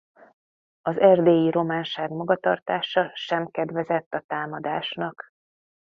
Az erdélyi románság magatartása sem kedvezett a támadásnak.